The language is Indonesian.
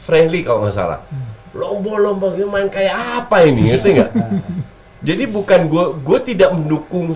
friendly kalau nggak salah lombok lomboknya main kayak apa ini jadi bukan gua gua tidak mendukung